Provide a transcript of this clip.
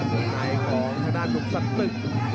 ส่วนให้ของทดาดถุงสัตตึก